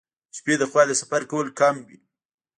د شپې لخوا د سفر کول کم وي.